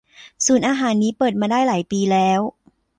ศูนย์อาหารนี้เปิดมาได้หลายปีแล้ว